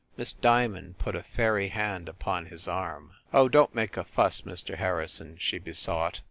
Miss Diamond put a fairy hand upon his arm. "Oh, don t make a fuss, Mr. Harrison !" she be sought.